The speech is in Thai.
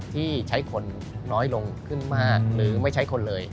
ที่ใช้คนน้อยลงขึ้นมากหรือไม่ใช้คนเลย